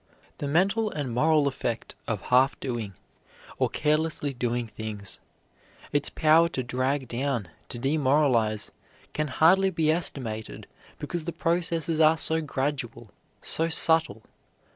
The mental and moral effect of half doing, or carelessly doing things; its power to drag down, to demoralize, can hardly be estimated because the processes are so gradual, so subtle.